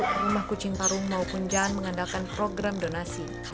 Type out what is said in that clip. rumah kucing parung maupun jan mengandalkan program donasi